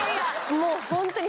もうホントに。